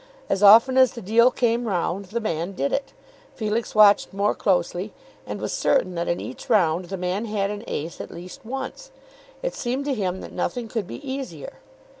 As often as the deal came round, the man did it. Felix watched more closely, and was certain that in each round the man had an ace at least once. It seemed to him that nothing could be easier.